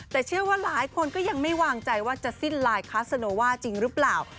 แต่เชื่อว่าหลายคนก็ยังไม่วางใจว่าจะสิ้นลายคาสโนว่าจริงหรือเปล่า